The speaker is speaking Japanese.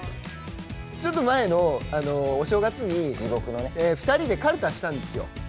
ちょっと前のお正月に、２人でかるたしたんですよ。